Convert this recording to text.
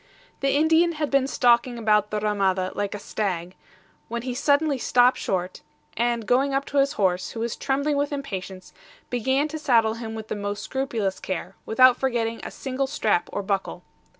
The Indian had been stalking about the RAMADA like a stag, when he suddenly stopped short, and going up to his horse, who was trembling with impatience, began to saddle him with the most scrupulous care, without forgetting a single strap or buckle.